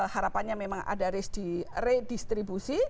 harapannya memang ada di redistribusi